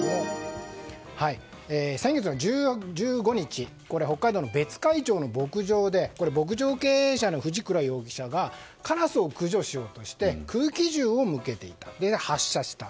先月の１５日北海道の別海町の牧場で牧場経営者の藤倉容疑者がカラスを駆除しようとして空気銃を向けていて発射した。